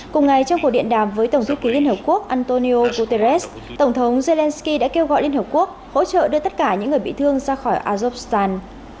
cùng ngày trong cuộc điện đàm với tổng thư ký liên hợp quốc antonio guterres tổng thống zelensky đã kêu gọi liên hợp quốc hỗ trợ đưa tất cả những người bị thương ra khỏi azokstan